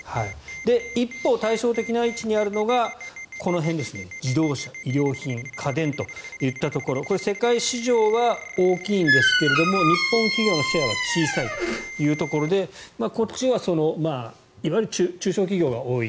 一方、対照的な位置にあるのがこの辺ですね自動車、医療品家電といったところこれ、世界市場は大きいんですが日本企業のシェアは小さいというところでこっちはいわゆる中小企業が多い。